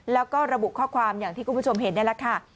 แล้วก็ระบุข้อความอย่างที่คุณผู้ชมเห็นนี่แหละค่ะ